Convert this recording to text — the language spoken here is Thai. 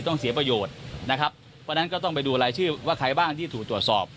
ต้องเสียประโยชน์นะครับเพราะฉะนั้นก็ต้องไปดูรายชื่อว่าใครบ้างที่ถูกตรวจสอบ